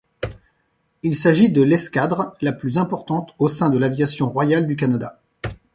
Il s'agit de l'escadre la plus importante au sein de l'Aviation royale du Canada.